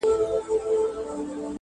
o د تربور غاښ په تربره ماتېږي٫